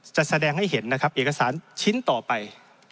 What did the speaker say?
แสดงให้เห็นนะครับเอกสารชิ้นต่อไป